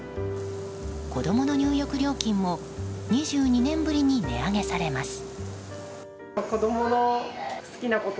子供の入浴料金も２２年ぶりに値上げされます。